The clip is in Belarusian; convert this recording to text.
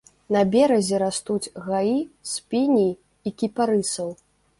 На беразе растуць гаі з піній і кіпарысаў.